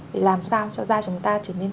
để làm sao cho da chúng ta trở nên